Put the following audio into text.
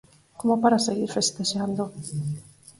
Como para seguir festexando...